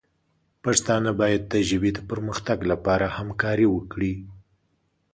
پښتانه باید د ژبې د پرمختګ لپاره همکاري وکړي.